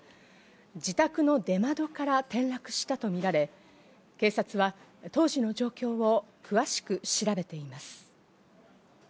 自宅の出窓から転落したとみられ、警察は、当時の状況を詳しく調べています。